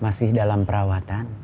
masih dalam perawatan